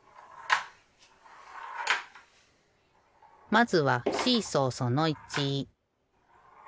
まずはシーソーその１。